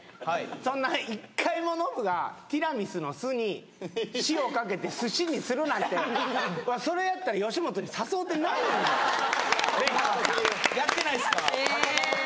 そんな１回もノブがティラミスの「ス」に「シ」をかけてスシにするなんてそれやったら・やってないですか